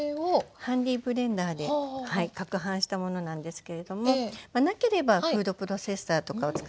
ハンドブレンダーでかくはんしたものなんですけれどもなければフードプロセッサーとかを使って頂いて。